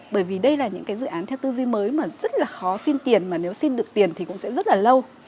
bởi vì đây là những cái dự án theo tư duy mới mà rất là khó xin tiền mà nếu xin được tiền thì cũng sẽ rất là lâu